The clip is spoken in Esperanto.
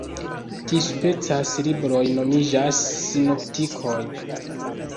Tiuspecaj libroj nomiĝas sinoptikoj.